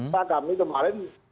pak kami kemarin